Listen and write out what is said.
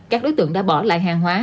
các đối tượng đã bỏ lại hàng hóa